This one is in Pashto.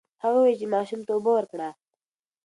هغه وویل چې ماشوم ته اوبه ورکړه.